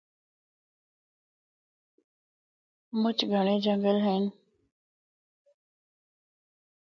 مُچ گھَنڑے جنگل ہن۔